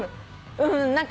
ううん何か。